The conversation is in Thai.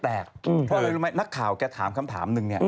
เพราะอะไรรู้ไหมนักข่าวแกถามคำถามหนึ่งเนี่ย